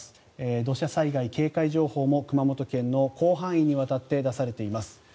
土砂災害警戒情報も熊本県の広範囲にわたって出されています。